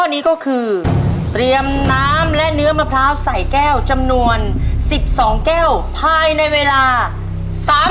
น้องพลอยว่างค่ะน้องพลอยว่าง